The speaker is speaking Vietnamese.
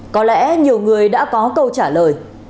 có lẽ nhiều người đã có câu trả lời